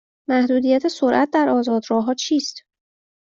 محدودیت سرعت در آزاد راه ها چیست؟